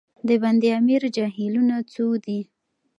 د بند امیر جهیلونه څو دي؟